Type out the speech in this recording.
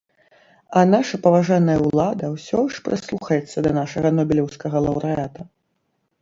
А наша паважаная ўлада ўсё ж прыслухаецца да нашага нобелеўскага лаўрэата.